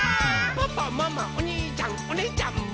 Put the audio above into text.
「パパママおにいちゃんおねぇちゃんも」